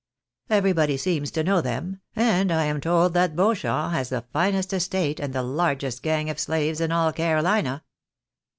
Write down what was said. Everybody seems to know them, and I am told that Beauchamp has the finest estate and the largest gang of slaves in all Carolina."